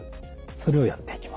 それをやっていきます。